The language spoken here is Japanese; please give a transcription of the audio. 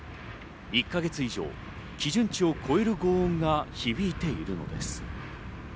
１か月以上、基準値を超える轟音が響いているのです。